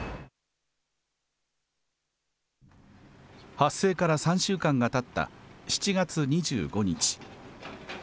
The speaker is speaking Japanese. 発生から３週間がたった７月２５日。